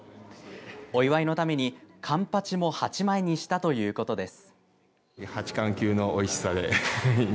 お祝いのためにかんぱちも８枚にしたということです。